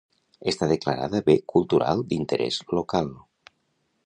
Està declarada Bé cultural d'interès local.